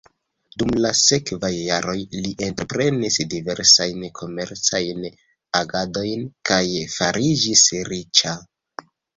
Dum la sekvaj jaroj li entreprenis diversajn komercajn agadojn kaj fariĝis riĉa.